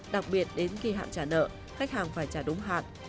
đặc biệt đến khi hạn trả nợ khách hàng phải trả đúng hạn